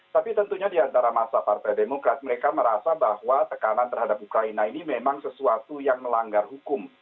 tapi tentunya di antara masa partai demokrat mereka merasa bahwa tekanan terhadap ukraina ini memang sesuatu yang melanggar hukum